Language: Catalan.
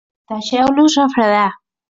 Deixeu-los refredar.